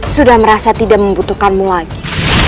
sudah merasa tidak membutuhkanmu lagi